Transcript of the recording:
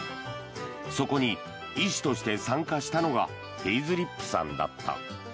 そこに医師として参加したのがヘイズリップさんだった。